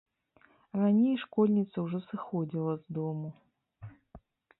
Раней школьніца ўжо сыходзіла з дому.